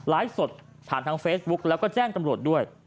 สดผ่านทางเฟซบุ๊กแล้วก็แจ้งตำรวจด้วย